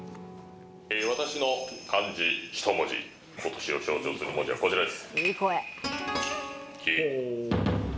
私の漢字一文字、ことしを象徴する文字はこちらです。